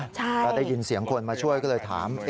เราได้ยินเสียงคนมาช่วยก็เลยถามเชิญก็เลยถาม